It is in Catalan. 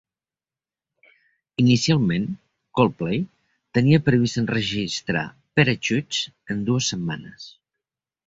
Inicialment, Coldplay tenia previst enregistrar "Parachutes" en dues setmanes.